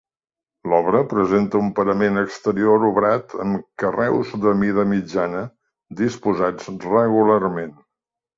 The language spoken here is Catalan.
L’obra presenta un parament exterior obrat amb carreus de mida mitjana disposats regularment.